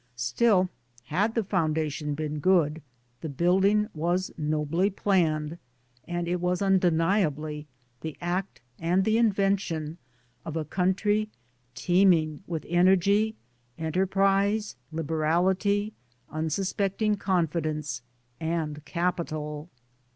Still, had the Foundation been good, the Building was nobly planned, and it was undeniably . the act and the invention of a country teeming with energy, enterprise, liberality, unsus pecting confidence, and capital.